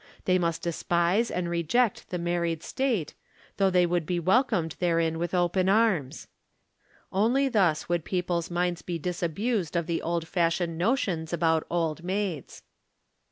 They must despise and reject the married state, though they would be welcomed therein with open arms. Only thus would people's minds be disabused of the old fashioned notions about old maids.